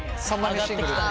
上がってきたね。